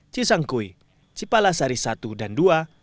cisangkui cipalasari i dan ii